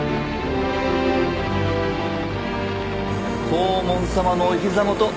黄門様のお膝元。